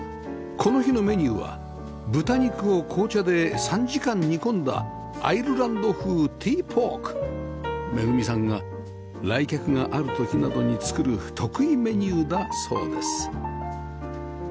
この日のメニューは豚肉を紅茶で３時間煮込んだアイルランド風ティーポーク恵さんが来客がある時などに作る得意メニューだそうです